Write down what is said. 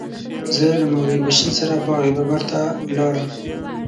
زه له مولوي بشیر سره باغ بابر ته ولاړم.